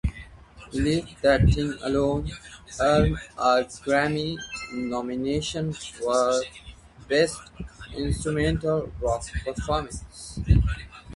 "Leave That Thing Alone" earned a Grammy nomination for "Best Instrumental Rock Performance".